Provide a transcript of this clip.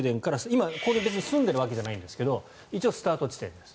今、別に住んでいるわけではないんですが一応スタート地点です。